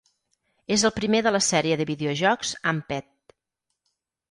És el primer de la sèrie de videojocs "Amped".